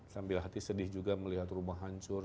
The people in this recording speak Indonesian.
sambil hati sedih juga melihat rumah hancur